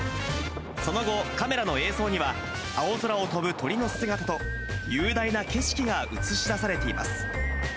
その後、カメラの映像には、青空を飛ぶ鳥の姿と雄大な景色が映し出されています。